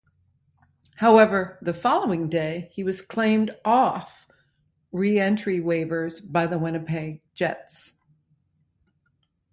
However, the following day he was claimed off re-entry waivers by the Winnipeg Jets.